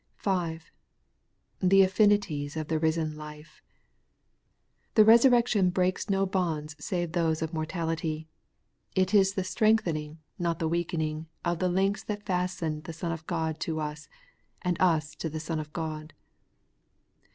5. The affinities of the risen life. The resurrec tion breaks no bonds save those of mortality. It is the strengthening, not the weakening, of the links that fasten the Son of God to us, and us to the Son of God.